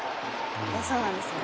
そうなんですよね。